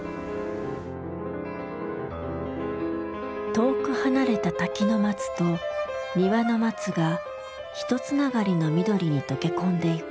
遠く離れた滝の松と庭の松がひとつながりの緑に溶け込んでいく。